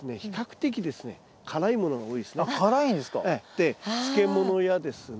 で漬物やですね